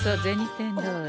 天堂へ。